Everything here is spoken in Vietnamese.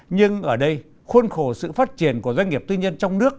nhưng ở đây khuôn khổ sự phát triển của doanh nghiệp tư nhân trong nước